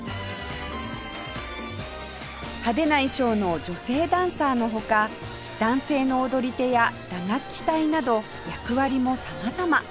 派手な衣装の女性ダンサーの他男性の踊り手や打楽器隊など役割も様々